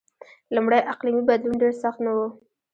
لومړی اقلیمی بدلون ډېر سخت نه و.